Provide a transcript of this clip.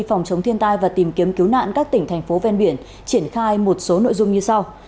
phòng chống thiên tai và tìm kiếm cứu nạn các tỉnh thành phố ven biển triển khai một số nội dung như sau